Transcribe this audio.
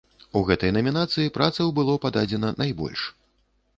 У гэтай намінацыі працаў было пададзена найбольш.